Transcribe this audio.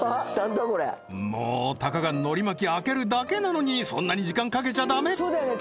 これもうたかが海苔巻き開けるだけなのにそんなに時間かけちゃダメそうだよね